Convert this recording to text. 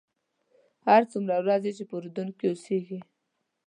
هر څومره ورځې چې په اردن کې اوسېږې.